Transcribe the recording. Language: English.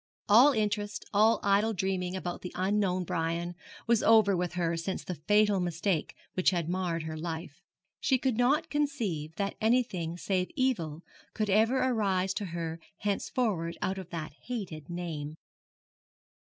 All interest, all idle dreaming about the unknown Brian was over with her since the fatal mistake which had marred her life. She could not conceive that anything save evil could ever arise to her henceforward out of that hated name.